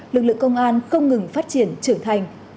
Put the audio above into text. lực lượng công an không ngừng phát triển trưởng thành